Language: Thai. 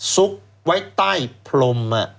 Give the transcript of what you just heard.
ซุกไว้ใต้พรม